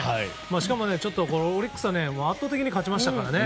しかもオリックスは圧倒的に勝ちましたからね。